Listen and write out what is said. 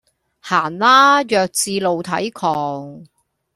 行啦，弱智露體狂